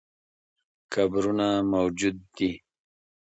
قبرونه موجود دي.